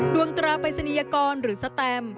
ตราปริศนียกรหรือสแตม